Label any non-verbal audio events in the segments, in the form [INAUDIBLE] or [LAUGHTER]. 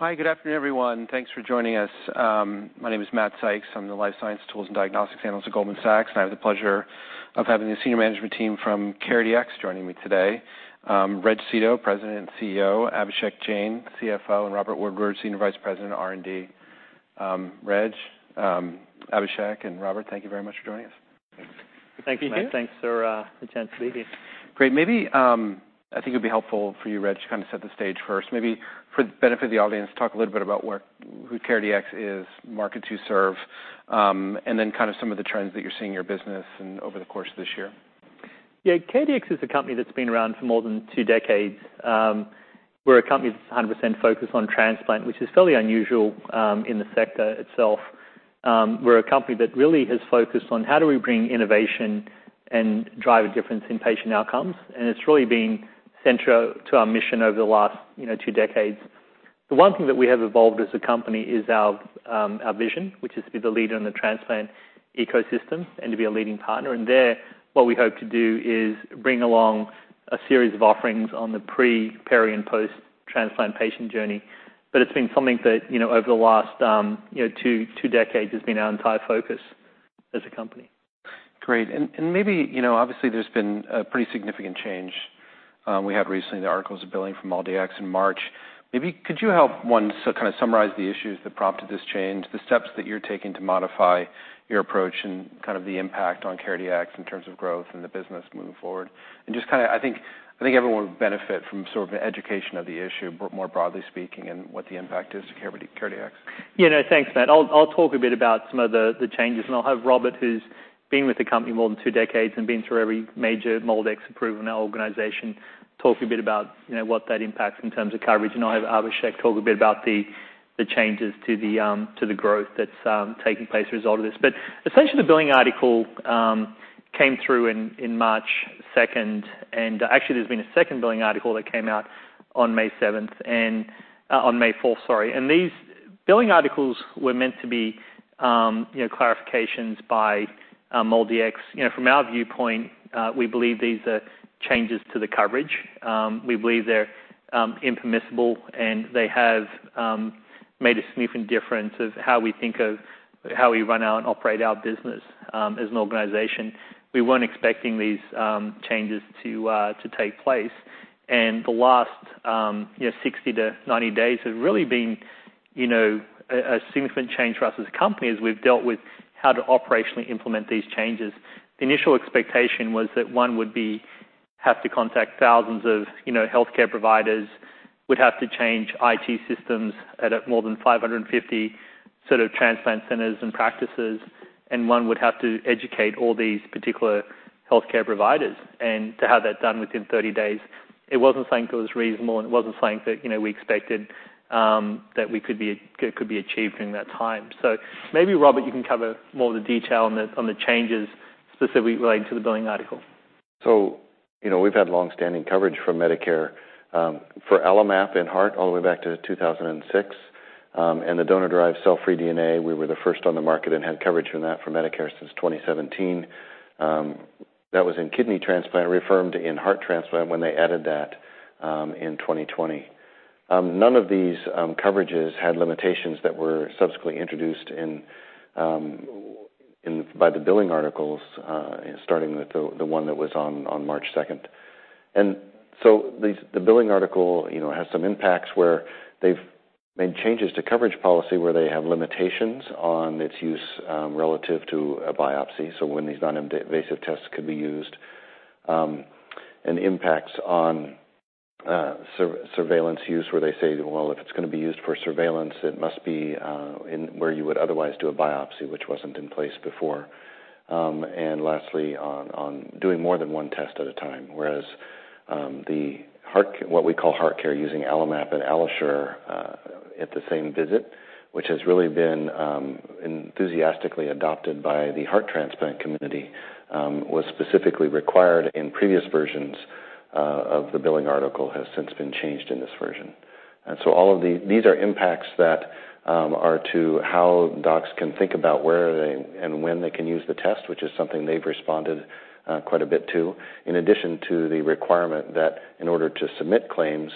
Hi, good afternoon, everyone. Thanks for joining us. My name is Matt Sykes. I'm the life science tools and diagnostics analyst at Goldman Sachs, and I have the pleasure of having the senior management team from CareDx joining me today. Reg Seeto, President and CEO, Abhishek Jain, CFO, and Robert Woodward, Senior Vice President, R&D. Reg, Abhishek, and Robert, thank you very much for joining us. Thank you. Thank you, Matt. Thanks for the chance to be here. Great. Maybe, I think it'd be helpful for you, Reg, to kind of set the stage first. Maybe for the benefit of the audience, talk a little bit about where, who CareDx is, market you serve, and then kind of some of the trends that you're seeing in your business and over the course of this year. Yeah, CareDx is a company that's been around for more than two decades. We're a company that's 100% focused on transplant, which is fairly unusual in the sector itself. We're a company that really has focused on how do we bring innovation and drive a difference in patient outcomes, and it's really been central to our mission over the last, you know, two decades. The one thing that we have evolved as a company is our vision, which is to be the leader in the transplant ecosystem and to be a leading partner. There, what we hope to do is bring along a series of offerings on the pre, peri, and post-transplant patient journey. It's been something that, you know, over the last, you know, two decades, has been our entire focus as a company. Great. Maybe, you know, obviously, there's been a pretty significant change. We had recently the articles of billing from MolDx in March. Maybe could you help one, kind of summarize the issues that prompted this change, the steps that you're taking to modify your approach and kind of the impact on CareDx in terms of growth and the business moving forward? Just kind of, I think everyone would benefit from sort of an education of the issue, more broadly speaking, and what the impact is to CareDx. Yeah, no, thanks, Matt. I'll talk a bit about some of the changes, and I'll have Robert, who's been with the company more than two decades and been through every major MolDx approval in our organization, talk a bit about, you know, what that impacts in terms of coverage. I'll have Abhishek talk a bit about the changes to the growth that's taking place as a result of this. Essentially, the billing article came through in March 2nd, and actually, there's been a second billing article that came out on May 7th and on May 4th, sorry. These billing articles were meant to be, you know, clarifications by MolDx. From our viewpoint, we believe these are changes to the coverage. We believe they're impermissible, they have made a significant difference of how we think of how we run out and operate our business as an organization. We weren't expecting these changes to take place, the last 60 to 90 days have really been a significant change for us as a company as we've dealt with how to operationally implement these changes. The initial expectation was that one would have to contact thousands of healthcare providers, would have to change IT systems at more than 550 sort of transplant centers and practices, one would have to educate all these particular healthcare providers. To have that done within 30 days, it wasn't something that was reasonable, and it wasn't something that, you know, we expected that we could be achieved during that time. Maybe, Robert, you can cover more of the detail on the changes specifically related to the Billing article. You know, we've had long-standing coverage from Medicare for AlloMap and heart all the way back to 2006. The donor-derived cell-free DNA, we were the first on the market and had coverage on that for Medicare since 2017. That was in kidney transplant, reaffirmed in heart transplant when they added that in 2020. None of these coverages had limitations that were subsequently introduced by the billing articles, starting with the one that was on March 2nd. These, the billing article, you know, has some impacts where they've made changes to coverage policy, where they have limitations on its use relative to a biopsy. When these non-invasive tests could be used, and impacts on surveillance use, where they say, if it's gonna be used for surveillance, it must be in where you would otherwise do a biopsy, which wasn't in place before. Lastly, on doing more than one test at a time, whereas the heart, what we call HeartCare, using AlloMap and AlloSure, at the same visit, which has really been enthusiastically adopted by the heart transplant community, was specifically required in previous versions of the Billing article, has since been changed in this version. All of these are impacts that are to how docs can think about where they and when they can use the test, which is something they've responded quite a bit to, in addition to the requirement that in order to submit claims,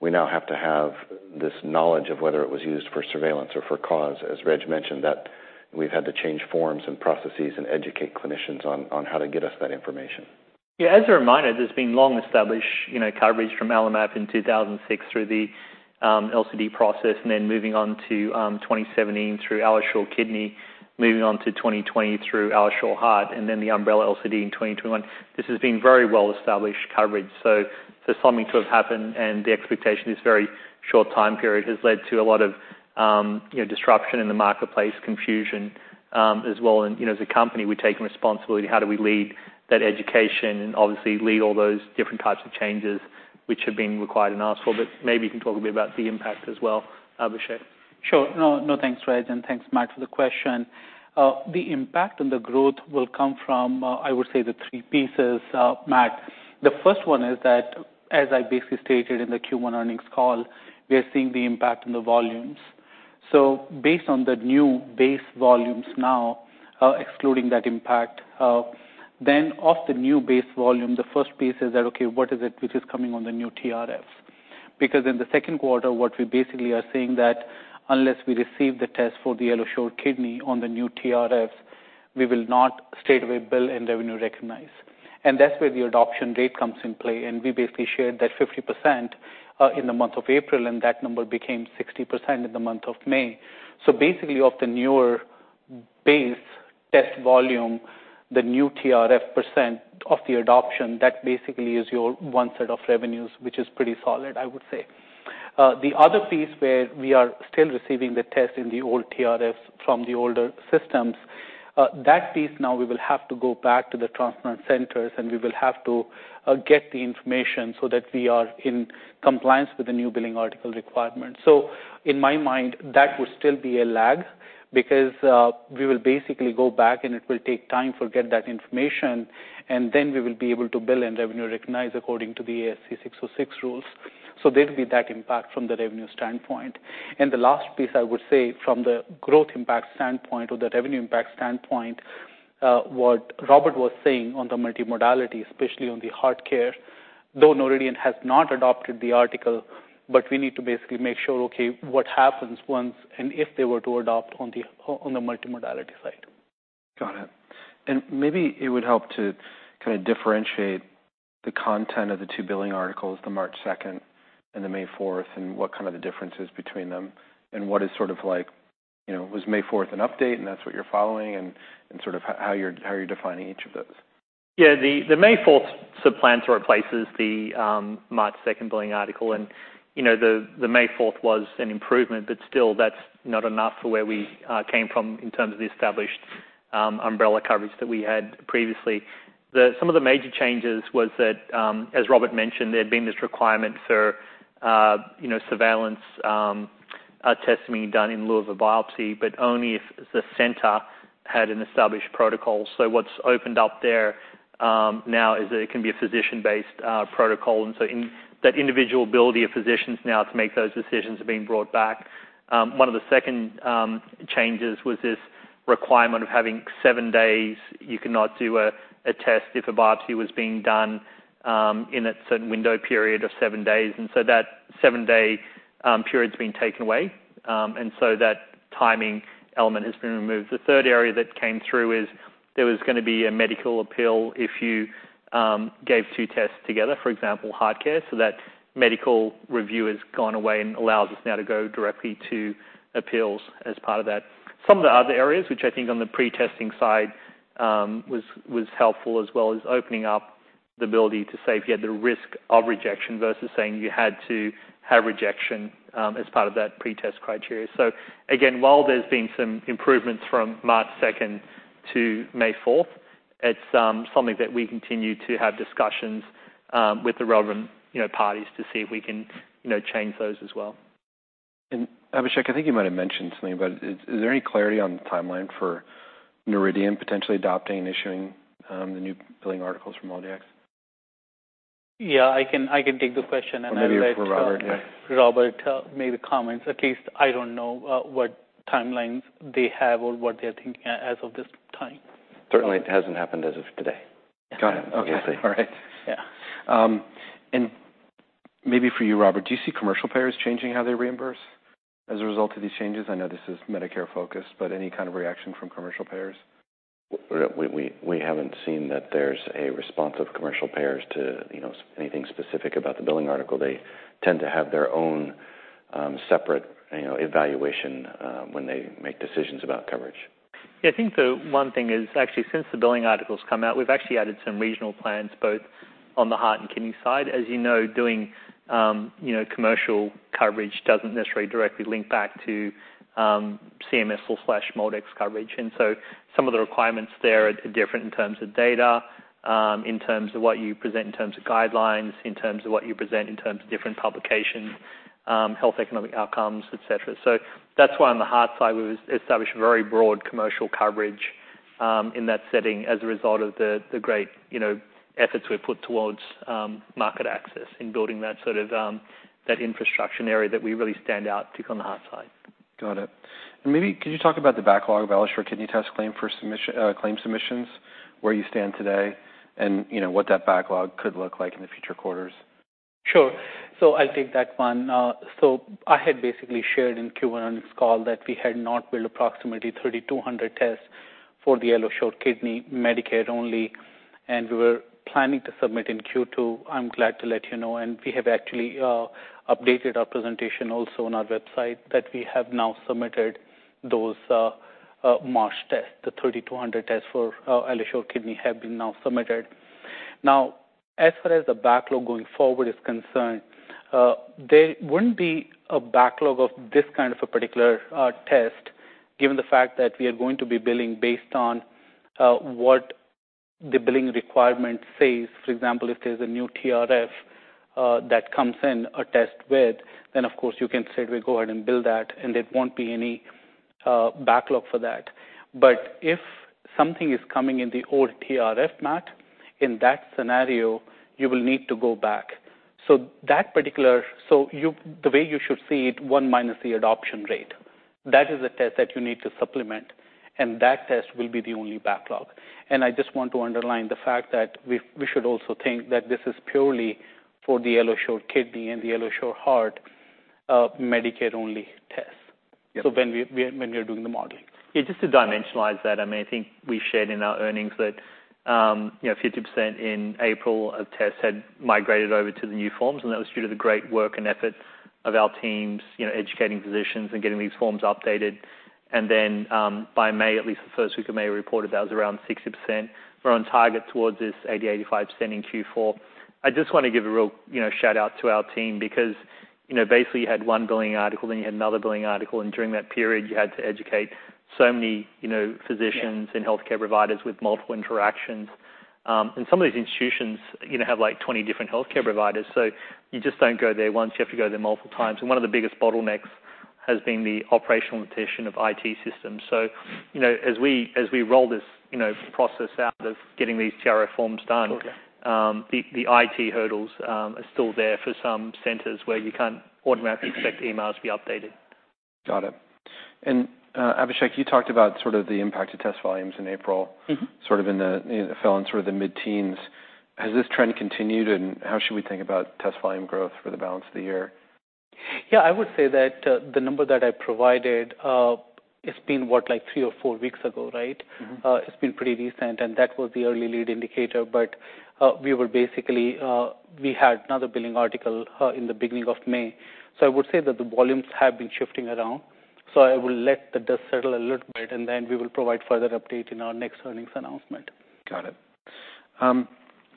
we now have to have this knowledge of whether it was used for surveillance or for cause. As Reg mentioned, that we've had to change forms and processes and educate clinicians on how to get us that information. Yeah, as a reminder, there's been long-established, you know, coverage from AlloMap in 2006 through the LCD process, and then moving on to 2017 through AlloSure Kidney, moving on to 2020 through AlloSure Heart, and then the umbrella LCD in 2021. This has been very well-established coverage, so for something to have happened and the expectation, this very short time period, has led to a lot of, you know, disruption in the marketplace, confusion as well. You know, as a company, we've taken responsibility. How do we lead that education and obviously lead all those different types of changes which have been required and asked for? Maybe you can talk a bit about the impact as well, Abhishek. Sure. No, thanks, Reg, thanks, Matt, for the question. The impact on the growth will come from, I would say, the three pieces, Matt. The first one is that, as I basically stated in the Q1 earnings call, we are seeing the impact on the volumes. Based on the new base volumes now, excluding that impact, then of the new base volume, the first piece is that, okay, what is it which is coming on the new TRFs? Because in the Q2, what we basically are saying that unless we receive the test for the AlloSure Kidney on the new TRFs, we will not straightaway bill and revenue recognize. That's where the adoption date comes in play, and we basically shared that 50%, in the month of April, and that number became 60% in the month of May. Basically, of the newer base test volume, the new TRF % of the adoption, that basically is your one set of revenues, which is pretty solid, I would say. The other piece where we are still receiving the test in the old TRFs from the older systems, that piece now we will have to go back to the transplant centers, and we will have to get the information so that we are in compliance with the new billing article requirements. In my mind, that would still be a lag because we will basically go back and it will take time to get that information, and then we will be able to bill and revenue recognize according to the ASC 606 rules. There will be that impact from the revenue standpoint. The last piece, I would say, from the growth impact standpoint or the revenue impact standpoint, what Robert was saying on the multimodality, especially on the HeartCare, though Noridian has not adopted the article, we need to basically make sure, okay, what happens once and if they were to adopt on the, on the multimodality side. Got it. Maybe it would help to kind of differentiate the content of the two billing articles, the March second and the May fourth, and what kind of the difference is between them and what is sort of like, you know, was May fourth an update, and that's what you're following, and sort of how you're defining each of those? Yeah, the May fourth supplants or replaces the March second billing article. You know, the May fourth was an improvement, but still, that's not enough for where we came from in terms of the established umbrella coverage that we had previously. Some of the major changes was that, as Robert mentioned, there had been this requirement for, you know, surveillance testing being done in lieu of a biopsy, but only if the center had an established protocol. What's opened up there now is that it can be a physician-based protocol, and so in that individual ability of physicians now to make those decisions are being brought back. One of the second changes was this requirement of having seven days. You cannot do a test if a biopsy was being done in a certain window period of seven days, and so that 7-day period has been taken away, and so that timing element has been removed. The third area that came through is there was gonna be a medical appeal if you gave two tests together, for example, HeartCare. That medical review has gone away and allows us now to go directly to appeals as part of that. Some of the other areas, which I think on the pre-testing side, was helpful, as well as opening up the ability to say if you had the risk of rejection versus saying you had to have rejection as part of that pretest criteria. While there's been some improvements from March second to May fourth, it's something that we continue to have discussions with the relevant, you know, parties to see if we can, you know, change those as well. Abhishek, I think you might have mentioned something, but is there any clarity on the timeline for Noridian potentially adopting and issuing the new billing articles from MolDx? Yeah, I can take the question. maybe for Robert, yeah. Robert made the comments. At least I don't know what timelines they have or what they're thinking as of this time. Certainly, it hasn't happened as of today. Got it. Okay. All right. Yeah. Maybe for you, Robert, do you see commercial payers changing how they reimburse as a result of these changes? I know this is Medicare-focused, but any kind of reaction from commercial payers? We haven't seen that there's a response of commercial payers to, you know, anything specific about the billing article. They tend to have their own, separate, you know, evaluation when they make decisions about coverage. Yeah, I think the one thing is actually, since the Billing and Coding article's come out, we've actually added some regional plans, both on the heart and kidney side. As you know, doing, you know, commercial coverage doesn't necessarily directly link back to CMS or slash MolDx coverage. Some of the requirements there are different in terms of data, in terms of what you present, in terms of guidelines, in terms of what you present, in terms of different publications, health, economic outcomes, et cetera. That's why on the heart side, we've established a very broad commercial coverage, in that setting as a result of the great, you know, efforts we've put towards market access in building that sort of, that infrastructure area that we really stand out to on the heart side. Got it. Maybe could you talk about the backlog of AlloSure Kidney Test claim for submission, claim submissions, where you stand today, and, you know, what that backlog could look like in the future quarters? Sure. I'll take that one. I had basically shared in Q1's call that we had not billed approximately 3,200 tests for the AlloSure Kidney, Medicaid only, and we were planning to submit in Q2. I'm glad to let you know, and we have actually updated our presentation also on our website, that we have now submitted those March tests. The 3,200 tests for AlloSure Kidney have been now submitted. As far as the backlog going forward is concerned, there wouldn't be a backlog of this kind of a particular test, given the fact that we are going to be billing based on what the billing requirement says. For example, if there's a new TRF that comes in a test with, then, of course, you can straightaway go ahead and bill that, and there won't be any backlog for that. If something is coming in the old TRF, Matt, in that scenario, you will need to go back. You, the way you should see it, 1- the adoption rate, that is the test that you need to supplement, and that test will be the only backlog. I just want to underline the fact that we should also think that this is purely for the AlloSure Kidney and the AlloSure Heart, Medicaid-only test. When we are doing the modeling. Yeah, just to dimensionalize that, I mean, I think we've shared in our earnings that, you know, 50% in April of tests had migrated over to the new forms, and that was due to the great work and effort of our teams, you know, educating physicians and getting these forms updated. Then, by May, at least the first week of May, we reported that was around 60%. We're on target towards this 80%-85% in Q4. I just want to give a real, you know, shout-out to our team because, you know, basically, you had one billing article, then you had another billing article, and during that period, you had to educate so many, you know, physicians. Yeah Healthcare providers with multiple interactions. Some of these institutions, you know, have, like, 20 different healthcare providers. You just don't go there once. You have to go there multiple times. One of the biggest bottlenecks has been the operational limitation of IT systems. You know, as we, as we roll this, you know, process out of getting these TRA forms done. Okay. The IT hurdles, are still there for some centers where you can't automatically expect the emails to be updated. Got it. Abhishek, you talked about sort of the impact of test volumes in April. Mm-hmm. It fell in sort of the mid-teens. Has this trend continued, and how should we think about test volume growth for the balance of the year? Yeah, I would say that the number that I provided, it's been, what, like, three or four weeks ago, right? Mm-hmm. It's been pretty recent, and that was the early lead indicator, but, we were basically, we had another billing article, in the beginning of May. I would say that the volumes have been shifting around, so I will let the dust settle a little bit, and then we will provide further update in our next earnings announcement. Got it.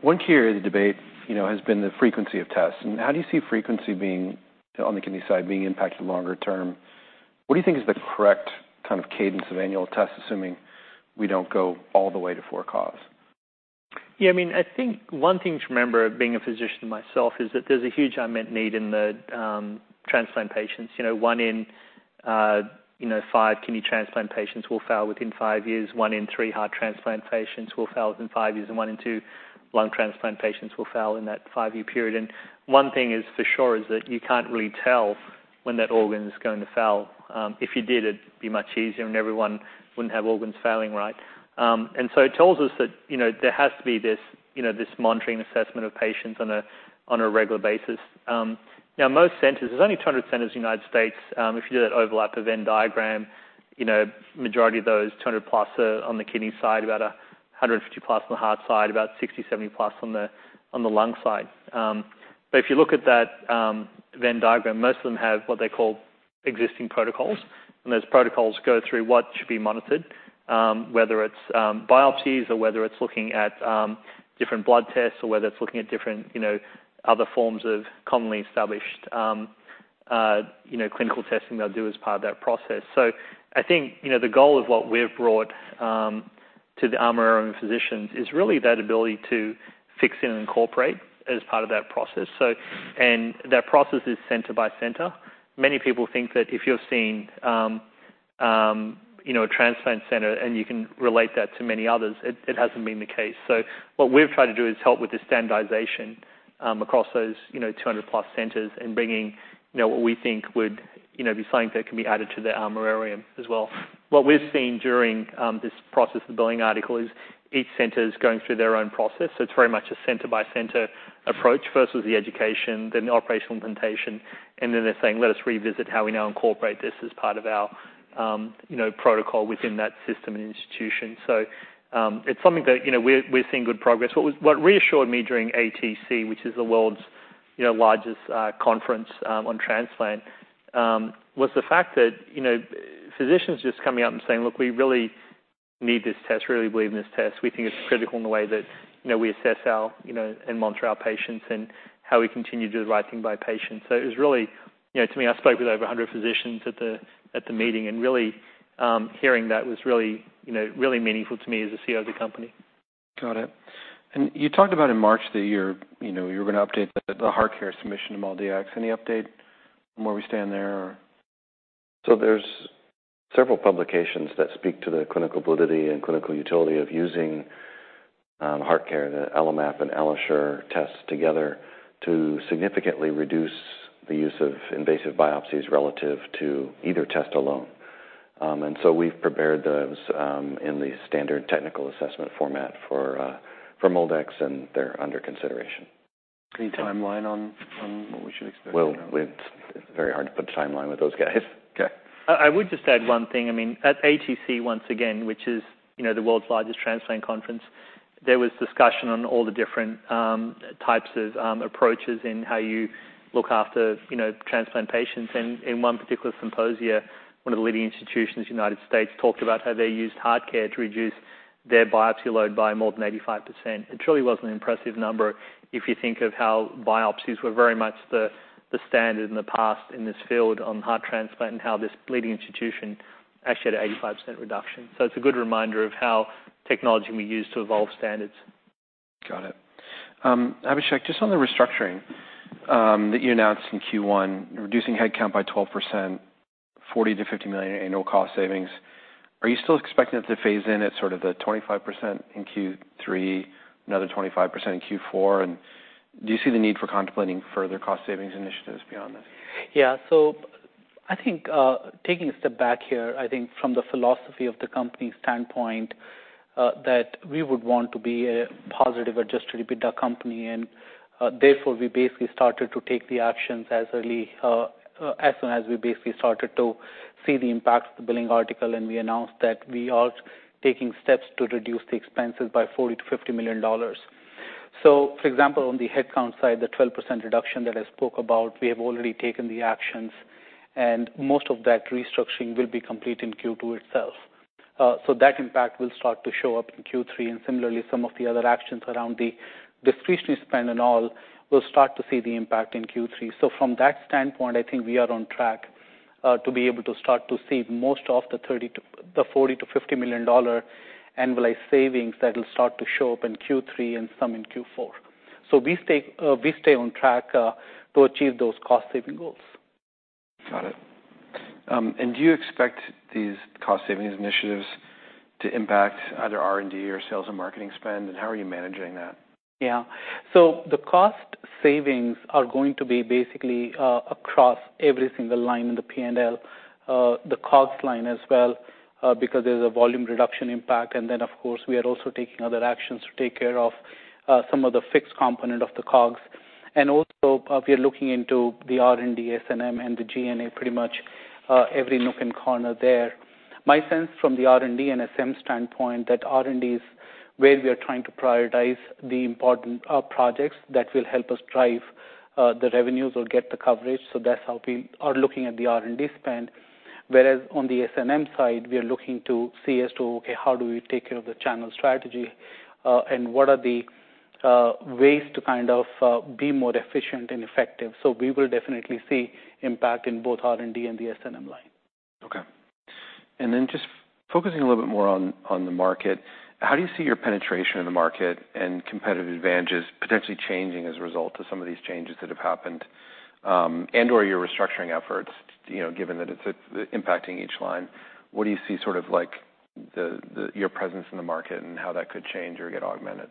One key area of the debate, you know, has been the frequency of tests. How do you see frequency being, on the kidney side, being impacted longer term? What do you think is the correct kind of cadence of annual tests, assuming we don't go all the way to for cause? Yeah, I mean, I think one thing to remember, being a physician myself, is that there's a huge unmet need in the transplant patients. You know, one in, you know, five kidney transplant patients will fail within five years. one in three heart transplant patients will fail within five years. One in two lung transplant patients will fail in that 5-year period. One thing is for sure, is that you can't really tell when that organ is going to fail. If you did, it'd be much easier, everyone wouldn't have organs failing, right? It tells us that, you know, there has to be this, you know, this monitoring assessment of patients on a regular basis. Now, most centers, there's only 200 centers in the United States. If you do that overlap of Venn diagram, you know, majority of those, 200+ are on the kidney side, about 150+ on the heart side, about 60, 70+ on the lung side. If you look at that Venn diagram, most of them have what they call existing protocols, and those protocols go through what should be monitored, whether it's biopsies or whether it's looking at different blood tests or whether it's looking at different, you know, other forms of commonly established, clinical testing they'll do as part of that process. I think, you know, the goal of what we've brought to the armamentarium and physicians is really that ability to fix and incorporate as part of that process. That process is center by center. Many people think that if you're seeing, you know, a transplant center and you can relate that to many others, it hasn't been the case. What we've tried to do is help with the standardization across those, you know, 200+ centers and bringing, you know, what we think would, you know, be something that can be added to the armamentarium as well. What we've seen during this process of Billing and Coding article is each center is going through their own process. It's very much a center-by-center approach. First, with the education, then the operational implementation, and then they're saying, "Let us revisit how we now incorporate this as part of our, you know, protocol within that system and institution." It's something that, you know, we're seeing good progress. What reassured me during ATC, which is the world's, you know, largest conference on transplant, was the fact that, you know, physicians just coming out and saying: Look, we really need this test, really believe in this test. We think it's critical in the way that, you know, we assess our, you know, and monitor our patients and how we continue to do the right thing by patients. It was really, you know, to me, I spoke with over 100 physicians at the meeting, and really hearing that was really, you know, really meaningful to me as the CEO of the company. Got it. You talked about in March that you're, you know, you were gonna update the HeartCare submission to MolDx. Any update on where we stand there or? There's several publications that speak to the clinical validity and clinical utility of using HeartCare, the AlloMap, and AlloSure tests together to significantly reduce the use of invasive biopsies relative to either test alone. We've prepared those in the standard technical assessment format for MolDx, and they're under consideration. Any timeline on what we should expect? Well, it's very hard to put a timeline with those guys. Okay. I would just add one thing. I mean, at ATC, once again, which is, you know, the world's largest transplant conference, there was discussion on all the different types of approaches in how you look after, you know, transplant patients. In one particular symposia, one of the leading institutions in the United States talked about how they used HeartCare to reduce their biopsy load by more than 85%. It truly was an impressive number, if you think of how biopsies were very much the standard in the past in this field on heart transplant, and how this leading institution actually had an 85% reduction. It's a good reminder of how technology can be used to evolve standards. Got it. Abhishek, just on the restructuring that you announced in Q1, reducing headcount by 12%, $40 million-$50 million annual cost savings, are you still expecting it to phase in at sort of the 25% in Q3, another 25% in Q4? Do you see the need for contemplating further cost savings initiatives beyond this? I think, taking a step back here, I think from the philosophy of the company's standpoint, that we would want to be a positive adjusted EBITDA company, and, therefore, we basically started to take the actions as early, as soon as we basically started to see the impact of the Billing article, and we announced that we are taking steps to reduce the expenses by $40 million-$50 million. For example, on the headcount side, the 12% reduction that I spoke about, we have already taken the actions, and most of that restructuring will be complete in Q2 itself. That impact will start to show up in Q3, and similarly, some of the other actions around the discretionary spend and all will start to see the impact in Q3. From that standpoint, I think we are on track to be able to start to see most of the $40 million-$50 million annualized savings that will start to show up in Q3 and some in Q4. We stay on track to achieve those cost-saving goals. Got it. Do you expect these cost savings initiatives to impact either R&D or sales and marketing spend, and how are you managing that? The cost savings are going to be basically across every single line in the P&L, the COGS line as well, because there's a volume reduction impact. Then, of course, we are also taking other actions to take care of some of the fixed component of the COGS. Also, we are looking into the R&D, S&M, and the G&A, pretty much every nook and corner there. My sense from the R&D and SM standpoint, that R&D is where we are trying to prioritize the important projects that will help us drive the revenues or get the coverage. That's how we are looking at the R&D spend. On the S&M side, we are looking to see as to, okay, how do we take care of the channel strategy, and what are the ways to kind of, be more efficient and effective. We will definitely see impact in both R&D and the S&M line. Okay. Just focusing a little bit more on the market, how do you see your penetration in the market and competitive advantages potentially changing as a result of some of these changes that have happened, and/or your restructuring efforts, you know, given that it's impacting each line? What do you see, sort of like, your presence in the market and how that could change or get augmented?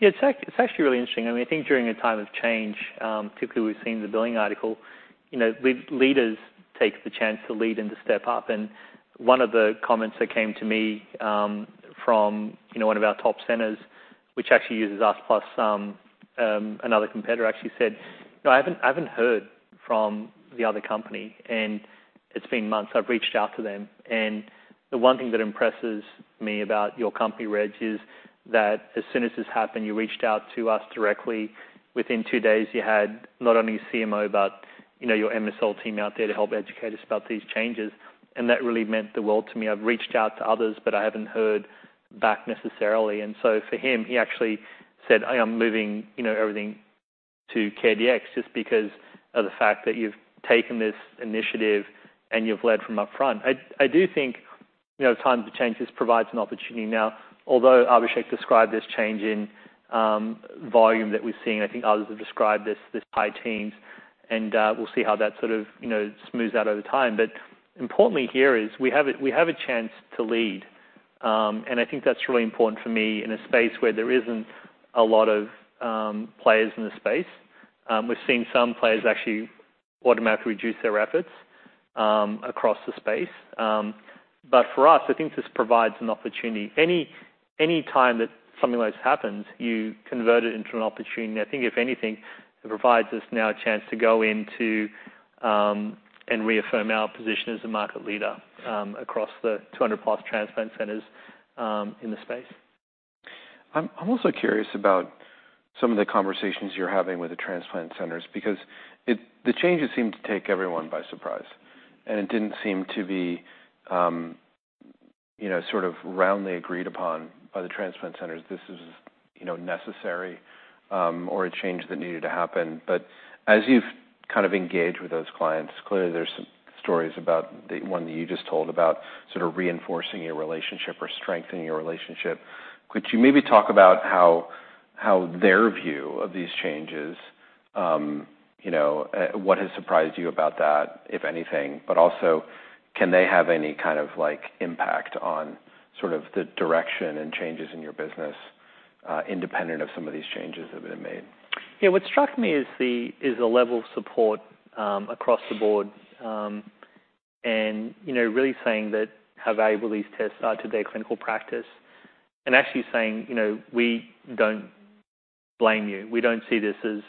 Yeah, it's actually really interesting. I mean, I think during a time of change, typically, we've seen the Billing article, you know, leaders take the chance to lead and to step up. One of the comments that came to me, from, you know, one of our top centers, which actually uses us plus, another competitor, actually said: "You know, I haven't heard from the other company, and it's been months. I've reached out to them, and the one thing that impresses me about your company, Reg, is that as soon as this happened, you reached out to us directly. Within two days, you had not only your CMO, but, you know, your MSL team out there to help educate us about these changes, and that really meant the world to me. I've reached out to others, but I haven't heard back necessarily." So for him, he actually said, "I am moving, you know, everything to CareDx just because of the fact that you've taken this initiative and you've led from upfront." I do think, you know, time to change, this provides an opportunity. Although Abhishek described this change in volume that we're seeing, I think others have described this high teens, and we'll see how that sort of, you know, smooths out over time. Importantly here is we have a chance to lead, and I think that's really important for me in a space where there isn't a lot of players in the space. We've seen some players actually automatically reduce their efforts across the space. For us, I think this provides an opportunity. Any time that something like this happens, you convert it into an opportunity. I think if anything, it provides us now a chance to go into and reaffirm our position as a market leader across the 200+ transplant centers in the space. I'm also curious about some of the conversations you're having with the transplant centers, because the changes seemed to take everyone by surprise, and it didn't seem to be, you know, sort of roundly agreed upon by the transplant centers this is, you know, necessary, or a change that needed to happen. As you've kind of engaged with those clients, clearly, there's some stories about the one that you just told about sort of reinforcing your relationship or strengthening your relationship. Could you maybe talk about how their view of these changes, you know, what has surprised you about that, if anything, but also, can they have any kind of, like, impact on sort of the direction and changes in your business, independent of some of these changes that have been made? Yeah, what struck me is the level of support, across the board, you know, really saying that how valuable these tests are to their clinical practice, and actually saying, you know, "We don't blame you. We don't see this as,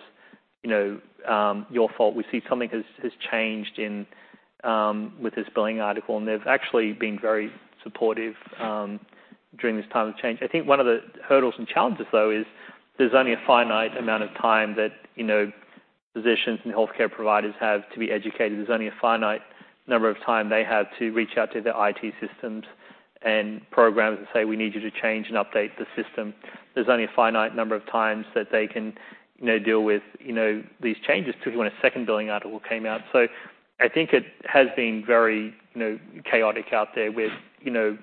you know, your fault. We see something has changed in with this Billing article." They've actually been very supportive during this time of change. I think one of the hurdles and challenges, though, is there's only a finite amount of time that, you know, physicians and healthcare providers have to be educated. There's only a finite number of time they have to reach out to their IT systems and programs and say: We need you to change and update the system. There's only a finite number of times that they can, you know, deal with, you know, these changes, particularly when a second Billing and Coding article came out. I think it has been very, you know, chaotic out there with, you know,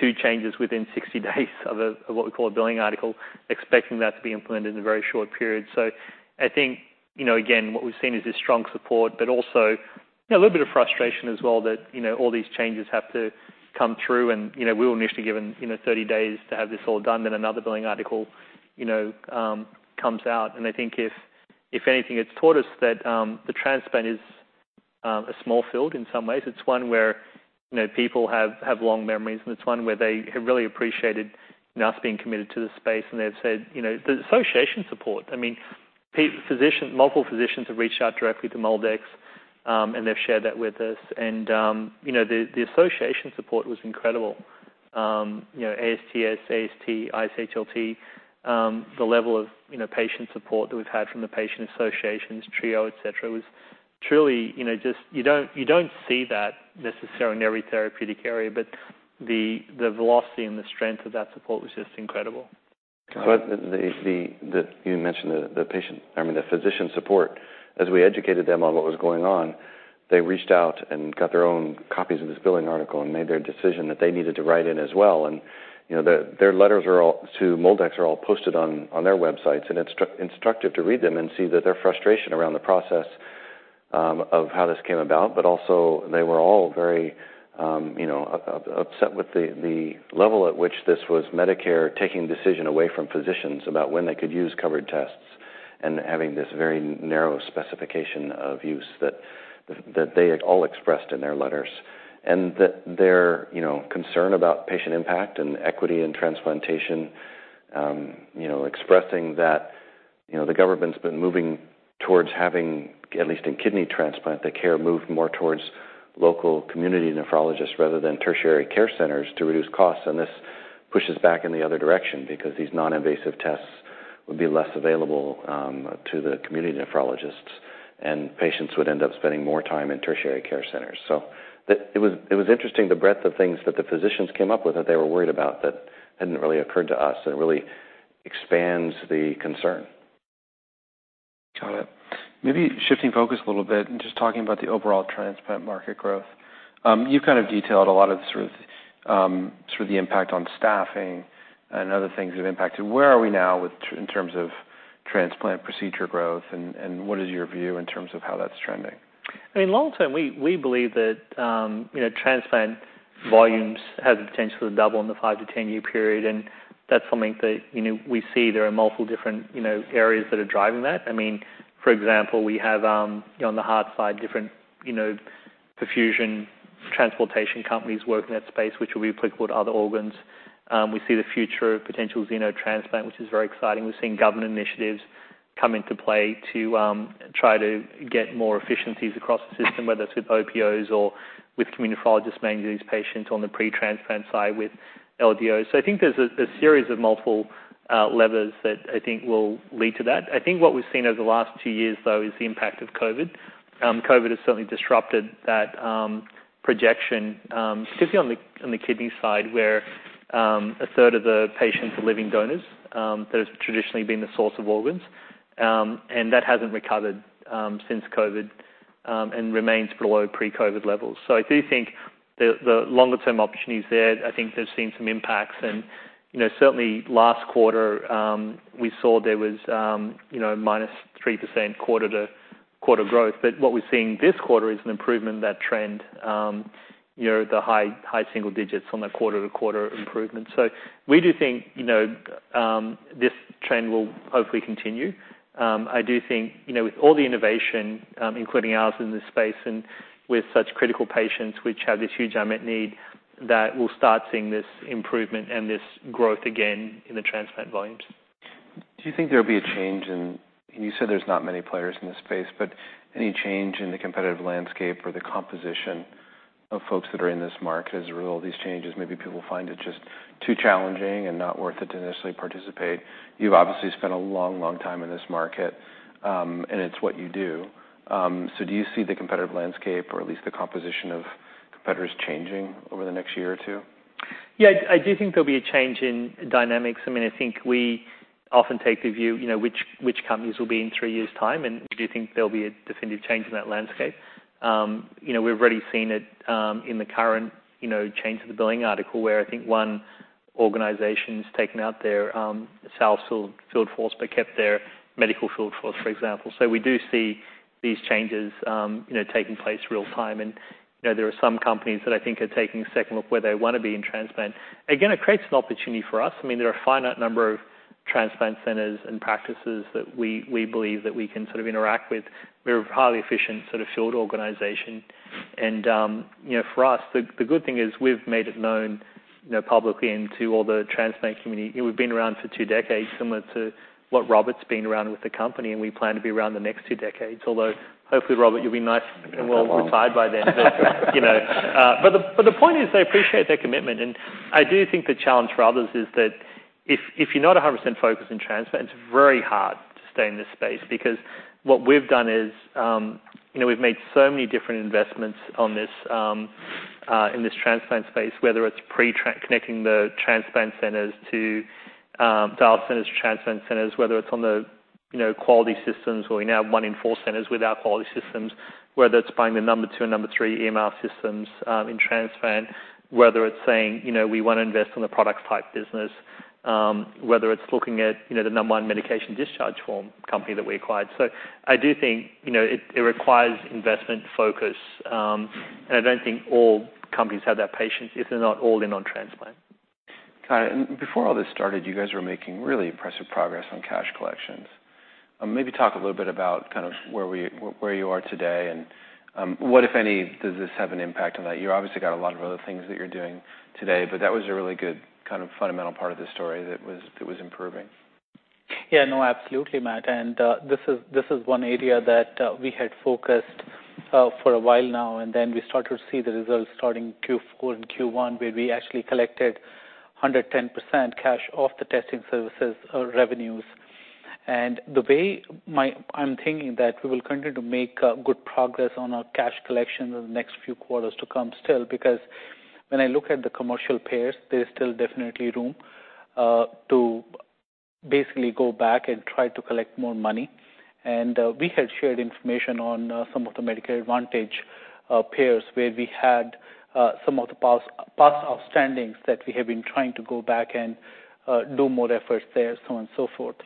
two changes within 60 days of a, of what we call a Billing and Coding article, expecting that to be implemented in a very short period. I think, you know, again, what we've seen is this strong support, but also, a little bit of frustration as well that, you know, all these changes have to come through and, you know, we were initially given, you know, 30 days to have this all done, then another Billing and Coding article, you know, comes out. I think if anything, it's taught us that the transplant is a small field in some ways. It's one where, you know, people have long memories, and it's one where they have really appreciated us being committed to the space. They've said, you know, the association support, I mean, physicians, multiple physicians have reached out directly to MolDX, and they've shared that with us. You know, the association support was incredible. You know, ASTS, AST, ISHLT, the level of, you know, patient support that we've had from the patient associations, TRIO, et cetera, was truly, you know, just you don't see that necessarily in every therapeutic area, but the velocity and the strength of that support was just incredible. You mentioned the patient, I mean, the physician support. As we educated them on what was going on, they reached out and got their own copies of this billing article and made their decision that they needed to write in as well. You know, their letters are all, to MolDX are all posted on their websites, and it's instructive to read them and see that their frustration around the process of how this came about, but also they were all very, you know, upset with the level at which this was Medicare taking decision away from physicians about when they could use covered tests, and having this very narrow specification of use that they had all expressed in their letters. That their, you know, concern about patient impact and equity in transplantation, you know, expressing that, you know, the government's been moving towards having, at least in kidney transplant, the care moved more towards local community nephrologists rather than tertiary care centers to reduce costs, and this pushes back in the other direction because these non-invasive tests would be less available to the community nephrologists, and patients would end up spending more time in tertiary care centers. It was interesting, the breadth of things that the physicians came up with, that they were worried about that hadn't really occurred to us. It really expands the concern. Got it. Maybe shifting focus a little bit and just talking about the overall transplant market growth. You've kind of detailed a lot of the sort of the impact on staffing and other things you've impacted. Where are we now in terms of transplant procedure growth, and what is your view in terms of how that's trending? I mean, long term, we believe that, you know, transplant volumes have the potential to double in the 5 year-10 year period. That's something that, you know, we see there are multiple different, you know, areas that are driving that. I mean, for example, we have on the hard side, different, you know, perfusion, transportation companies working in that space, which will be applicable to other organs. We see the future of potential xenotransplant, which is very exciting. We're seeing government initiatives come into play to try to get more efficiencies across the system, whether it's with OPOs or with nephrologists, managing these patients on the pre-transplant side with LDO. I think there's a series of multiple levers that I think will lead to that. I think what we've seen over the last two years, though, is the impact of COVID. COVID has certainly disrupted that projection, particularly on the kidney side, where a third of the patients are living donors. That has traditionally been the source of organs, and that hasn't recovered since COVID and remains below pre-COVID levels. I do think the longer-term opportunity is there. I think they've seen some impacts. Certainly last quarter, we saw there was, you know, -3% quarter-over-quarter growth. What we're seeing this quarter is an improvement in that trend, you know, the high single digits on the quarter-over-quarter improvement. We do think, you know, this trend will hopefully continue. I do think, you know, with all the innovation, including ours in this space and with such critical patients, which have this huge unmet need, that we'll start seeing this improvement and this growth again in the transplant volumes. Do you think there'll be a change in you said there's not many players in this space, any change in the competitive landscape or the composition of folks that are in this market as a result of these changes? Maybe people find it just too challenging and not worth it to initially participate. You've obviously spent a long, long time in this market, and it's what you do. Do you see the competitive landscape or at least the composition of competitors changing over the next year or two? I do think there'll be a change in dynamics. I mean, I think we often take the view, you know, which companies will be in three years' time, and do you think there'll be a definitive change in that landscape? You know, we've already seen it in the current, you know, change to the Billing and Coding article, where I think one organization's taken out their sales field force, but kept their medical field force, for example. We do see these changes, you know, taking place real-time, and, you know, there are some companies that I think are taking a second look where they want to be in transplant. Again, it creates an opportunity for us. I mean, there are a finite number of transplant centers and practices that we believe that we can sort of interact with. We're a highly efficient sort of field organization, you know, for us, the good thing is we've made it known, you know, publicly and to all the transplant community, we've been around for two decades, similar to what Robert's been around with the company, and we plan to be around the next two decades. Hopefully, Robert, you'll be nice and well retired by then. You know, but the point is, they appreciate their commitment, and I do think the challenge for others is that if you're not 100% focused on transplant, it's very hard to stay in this space because what we've done is, you know, we've made so many different investments on this in this transplant space, whether it's pre-track, connecting the transplant centers to dialysis centers to transplant centers, whether it's on the. you know, quality systems, where we now have one in four centers with our quality systems, whether it's buying the number two and number three EMR systems in transplant, whether it's saying, you know, we wanna invest in the products type business, whether it's looking at, you know, the number one medication discharge form company that we acquired. I do think, you know, it requires investment focus, and I don't think all companies have that patience if they're not all in on transplant. Okay, before all this started, you guys were making really impressive progress on cash collections. Maybe talk a little bit about kind of where you are today and what, if any, does this have an impact on that? You obviously got a lot of other things that you're doing today, but that was a really good kind of fundamental part of the story that was improving. Yeah, no, absolutely, Matt. This is, this is one area that we had focused for a while now, then we start to see the results starting Q4 and Q1, where we actually collected 110% cash off the testing services revenues. The way I'm thinking that we will continue to make good progress on our cash collection in the next few quarters to come still, because when I look at the commercial payers, there's still definitely room to basically go back and try to collect more money. We had shared information on some of the Medicare Advantage payers, where we had some of the past outstandings that we have been trying to go back and do more efforts there, so on and so forth.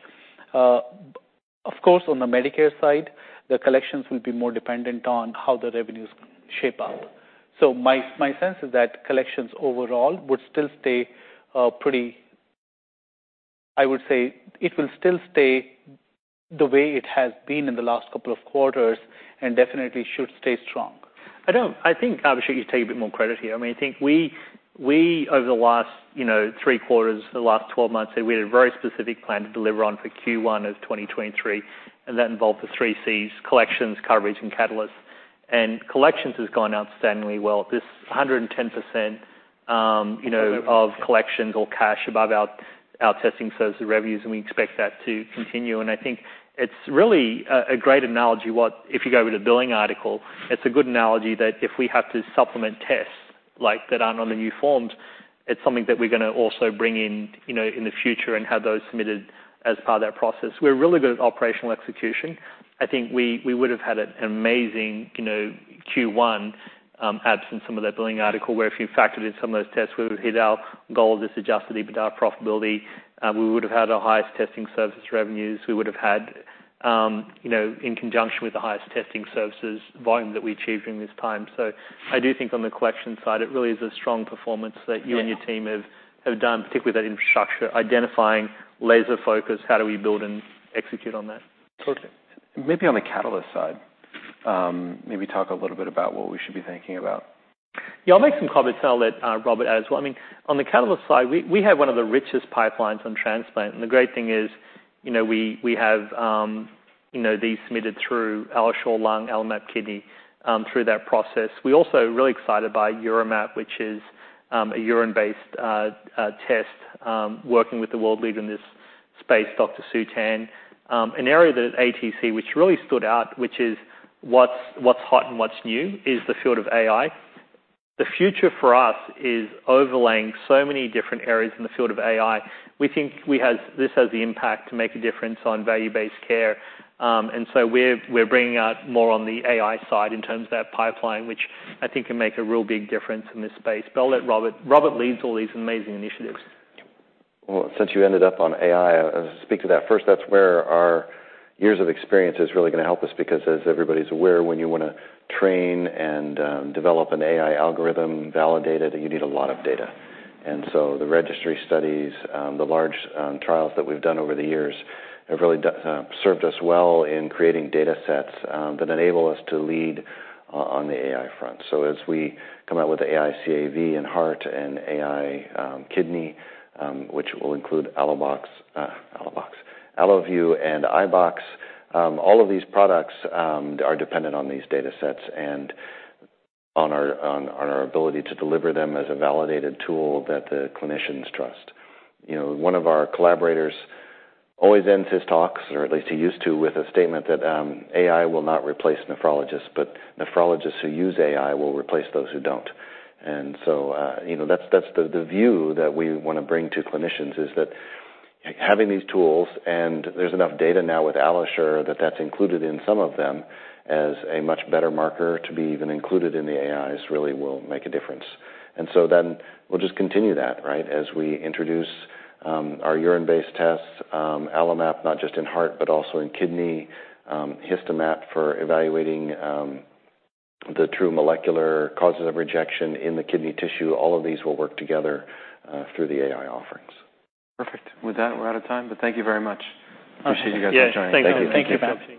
Of course, on the Medicare side, the collections will be more dependent on how the revenues shape up. My sense is that collections overall would still stay pretty. I would say it will still stay the way it has been in the last couple of quarters and definitely should stay strong. I think, Abhishek, you take a bit more credit here. I mean, I think we over the last, you know, three quarters, the last 12 months, we had a very specific plan to deliver on for Q1 of 2023, and that involved the 3Cs, collections, coverage, and catalysts. Collections has gone outstandingly well. This 110%, you know, of collections or cash above our testing services revenues, and we expect that to continue. I think it's really a great analogy, if you go with a billing article, it's a good analogy that if we have to supplement tests like that aren't on the new forms, it's something that we're gonna also bring in, you know, in the future and have those submitted as part of that process. We're really good at operational execution. I think we would have had an amazing, you know, Q1, absent some of that billing article, where if you factored in some of those tests, we would hit our goal of this adjusted EBITDA profitability. We would have had our highest testing service revenues. We would have had, you know, in conjunction with the highest testing services volume that we achieved during this time. I do think on the collection side, it really is a strong performance that you and your team have done, particularly with that infrastructure, identifying laser focus, how do we build and execute on that. Perfect. Maybe on the catalyst side, maybe talk a little bit about what we should be thinking about? Yeah, I'll make some comments and I'll let Robert add as well. I mean, on the catalyst side, we have one of the richest pipelines on transplant, and the great thing is, you know, we have, these submitted through AlloSure Lung, AlloMap Kidney, through that process. We're also really excited by UroMap, which is, a urine-based, test, working with the world leader in this space, Dr. Stan Jordan. An area that at ATC, which really stood out, which is what's hot and what's new, is the field of AI. The future for us is overlaying so many different areas in the field of AI. We think this has the impact to make a difference on value-based care. We're bringing out more on the AI side in terms of that pipeline, which I think can make a real big difference in this space. I'll let Robert. Robert leads all these amazing initiatives. Since you ended up on AI, I'll speak to that first. That's where our years of experience is really gonna help us, because as everybody's aware, when you wanna train and develop an AI algorithm, validate it, you need a lot of data. The registry studies, the large trials that we've done over the years have really served us well in creating data sets that enable us to lead on the AI front. As we come out with AiCAV in heart and AI kidney, which will include iBox, AlloView and iBox, all of these products are dependent on these data sets and on our, on our ability to deliver them as a validated tool that the clinicians trust. You know, one of our collaborators always ends his talks, or at least he used to, with a statement that: AI will not replace nephrologists, but nephrologists who use AI will replace those who don't. You know, that's the view that we wanna bring to clinicians, is that having these tools, and there's enough data now with AlloSure, that that's included in some of them, as a much better marker to be even included in the AIs, really will make a difference. We'll just continue that, right? As we introduce our urine-based tests, AlloMap, not just in heart, but also in kidney, HistoMap for evaluating the true molecular causes of rejection in the kidney tissue. All of these will work together through the AI offerings. Perfect. With that, we're out of time, but thank you very much. Appreciate you guys for joining. Yeah, thank you. [CROSSTALK]